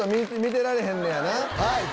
見てられへんねやな。